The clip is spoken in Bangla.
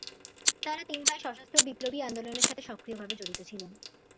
তারা তিন ভাই সশস্ত্র বিপ্লবী আন্দোলনের সাথে সক্রিয় ভাবে জড়িত ছিলেন।